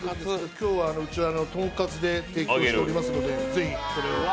今日は、うちはとんかつで提供しておりますので、ぜひ。